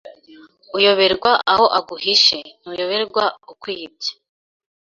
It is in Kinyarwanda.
Uyoberwa aho aguhishe, ntuyoberwa ukwibye